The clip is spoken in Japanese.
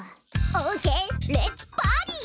オーケーレッツパーティー！